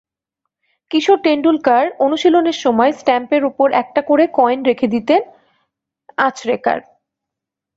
কিশোর টেন্ডুলকার অনুশীলনের সময় স্টাম্পের ওপর একটা করে কয়েন রেখে দিতেন আচরেকার।